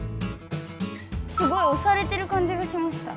すごい押されてる感じがしました。